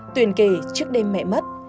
tuyền kể trước đêm mẹ mất